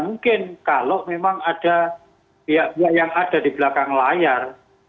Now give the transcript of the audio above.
mungkin kalau memang ada pihak pihak yang ada di belakang layar